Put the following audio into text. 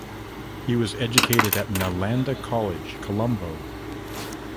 He was educated at Nalanda College Colombo.